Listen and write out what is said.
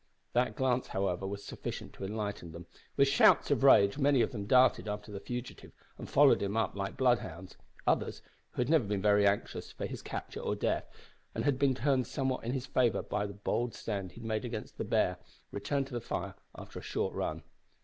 That glance, however, was sufficient to enlighten them. With shouts of rage many of them darted after the fugitive, and followed him up like bloodhounds. Others, who had never been very anxious for his capture or death, and had been turned somewhat in his favour by the bold stand he had made against the bear, returned to the fire after a short run.